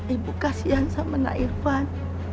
ibu kasian sama nak irfan